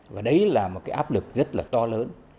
và đấy là một cái áp lực rất là to lớn